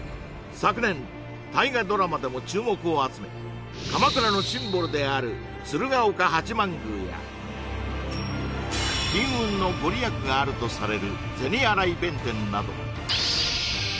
昨年大河ドラマでも注目を集め鎌倉のシンボルである鶴岡八幡宮や金運の御利益があるとされる